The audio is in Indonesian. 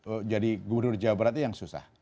menuju jadi gubernur jawa baratnya yang susah